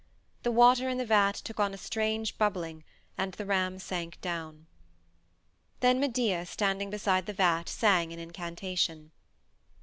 The water in the vat took on a strange bubbling, and the ram sank down. Then Medea, standing beside the vat, sang an incantation.